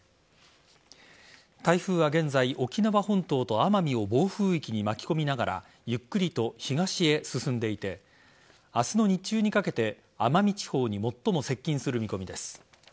台風は現在、沖縄本島と奄美を暴風域に巻き込みながらゆっくりと東へ進んでいて明日の日中にかけて奄美地方に最も接近する見込みです。